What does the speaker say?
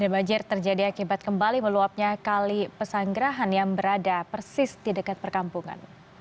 banjir terjadi akibat kembali meluapnya kali pesanggerahan yang berada persis di dekat perkampungan